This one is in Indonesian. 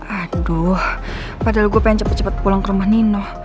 aduh padahal gue pengen cepat cepat pulang ke rumah nino